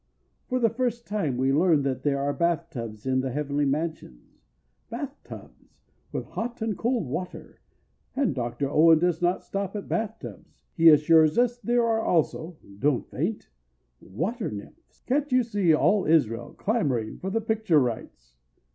For the first time we learn that there are bath tubs in the Heavenly Mansions—Bathtubs! With hot and cold water, and Dr. Owen does not stop at bathtubs; he assures us there are also—don't faint—water nymphs! Can't you see all Israel clamoring for the picture rights!